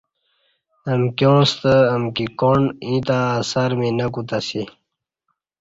امکیاں ستہ امکی کاݨ ییں تہ اثر می نہ کوتہ اسی